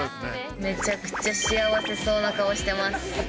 めちゃくちゃ幸せそうな顔してます。